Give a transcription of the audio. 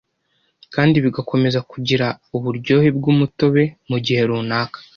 kandi bigakomeza kugira uburyohe bw’umutobe mu gihe runaka;